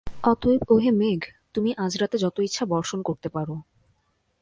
অতএব ওহে মেঘ, তুমি আজ রাতে যত ইচ্ছা বর্ষণ করতে পার।